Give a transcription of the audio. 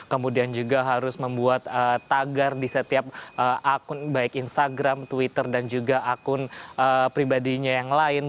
kemudian juga harus membuat tagar di setiap akun baik instagram twitter dan juga akun pribadinya yang lain